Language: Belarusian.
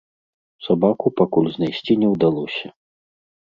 Сабаку пакуль знайсці не ўдалося.